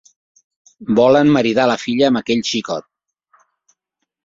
Volen maridar la filla amb aquell xicot.